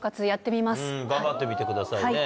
頑張ってみてくださいね。